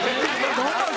なんなん？